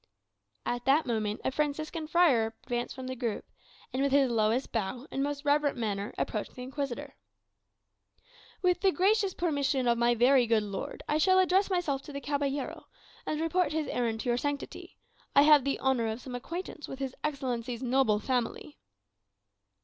At that moment a Franciscan friar advanced from the group, and with his lowest bow and most reverent manner approached the Inquisitor. "With the gracious permission of my very good lord, I shall address myself to the caballero, and report his errand to your sanctity. I have the honour of some acquaintance with his Excellency's noble family."